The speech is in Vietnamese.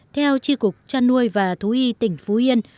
theo tri cục chăn nuôi và thú y tỉnh phú yên